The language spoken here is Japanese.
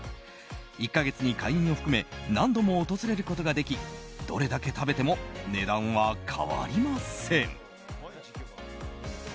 １か月に会員を含め何度も訪れることができどれだけ食べても値段は変わりません。